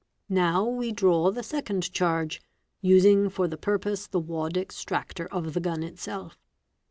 Now we draw the second charge, using for the purpose the wad extractor of the gun itself.